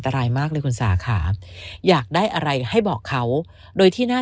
รายมากเลยคุณสาขาอยากได้อะไรให้บอกเขาโดยที่น่า